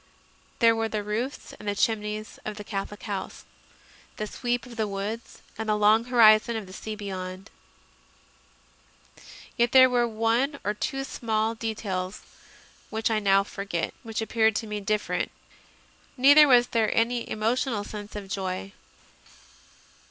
There were the roofs and chimneys of the Catholic house, the sweep of the woods, and the long horizon of the sea beyond. Yet there were one or two small 136 CONFESSIONS OF A CONVERT details, which I now forget, which appeared to me different; neither was there any emotional sense of joy.